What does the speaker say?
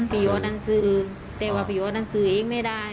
ไปโรธนั่นซื้อเต็มว่าไปโรธนั่นซื้ออีกไม่ได้